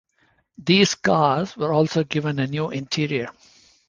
These cars were also given a new interior.